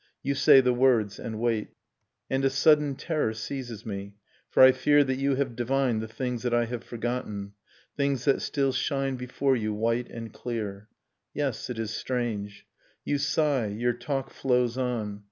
You say the words, and wait. And a sudden terror seizes me, for I fear That you have divined the things that I have forgotten, Things that still shine before you white and clear. Yes, it is strange ... You sigh, your talk flows on.